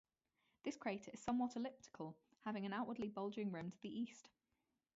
This crater is somewhat elliptical, having an outwardly bulging rim to the east.